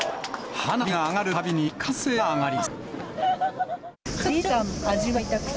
花火が上がるたびに歓声が上がります。